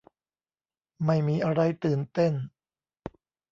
ไม่มีอะไรตื่นเต้น